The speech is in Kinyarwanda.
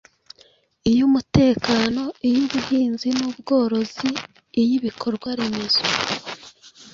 iy’Umutekano, iy’Ubuhinzi n’Ubworozi, iy’Ibikorwa Remezo,